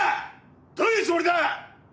どういうつもりだ！